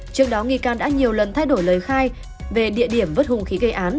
trước đó nghi can đã nhiều lần thay đổi lời khai về địa điểm vất hung khí